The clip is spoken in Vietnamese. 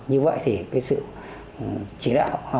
như vậy thì cái sự chỉ đạo nó mới đạt hiệu quả cao được